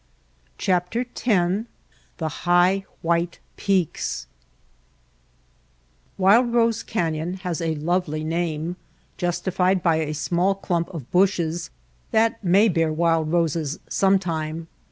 X The High White Peaks WILD ROSE CANYON has a lovely name, justified by a small clump of bushes that may bear wild roses some time.